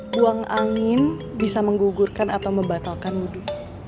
buang angin bisa menggugurkan atau membatalkan wudhu